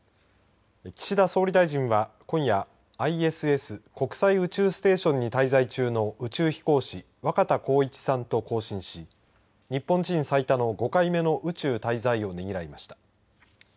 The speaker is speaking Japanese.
岸田総理大臣は今夜ＩＳＳ、国際宇宙ステーションに滞在中の宇宙飛行士若田光一さんと交信し日本人最多の５回目の宇宙滞在をねぎらいました。